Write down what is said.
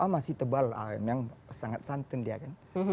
masih tebal yang sangat santan dia kan